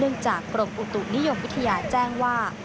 จากกรมอุตุนิยมวิทยาแจ้งว่า